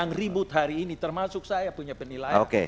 yang ribut hari ini termasuk saya punya penilaian